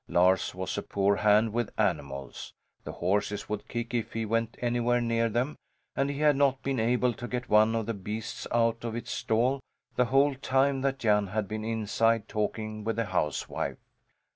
Lars was a poor hand with animals. The horses would kick if he went anywhere near them and he had not been able to get one of the beasts out of its stall the whole time that Jan had been inside talking with the housewife.